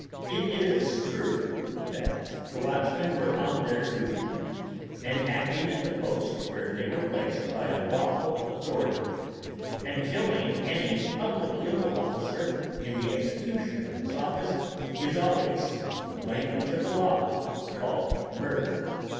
It is true the watchmen were on their duty, and acting in the post where they were placed by a lawful authority; and killing any public legal officer in the execution of his office is always, in the language of the law, called murder.